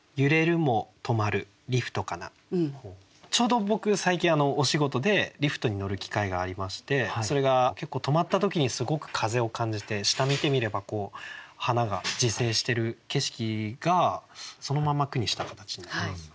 ちょうど僕最近お仕事でリフトに乗る機会がありましてそれが結構止まった時にすごく風を感じて下見てみれば花が自生してる景色がそのまま句にした形になります。